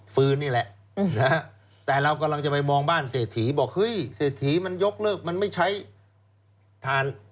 ืนนี่แหละแต่เรากำลังจะไปมองบ้านเศรษฐีบอกเฮ้ยเศรษฐีมันยกเลิกมันไม่ใช้ทาน